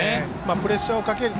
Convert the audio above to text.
プレッシャーをかける。